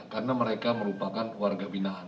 karena mereka merupakan warga binaan